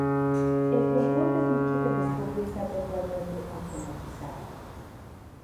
El control de dicho telescopio está totalmente automatizado.